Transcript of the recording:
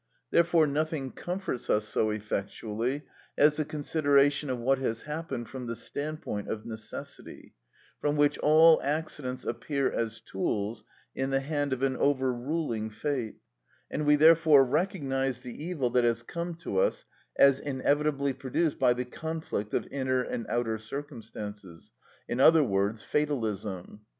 Therefore nothing comforts us so effectually as the consideration of what has happened from the standpoint of necessity, from which all accidents appear as tools in the hand of an overruling fate, and we therefore recognise the evil that has come to us as inevitably produced by the conflict of inner and outer circumstances; in other words, fatalism.